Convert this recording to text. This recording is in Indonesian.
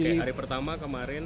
hari pertama kemarin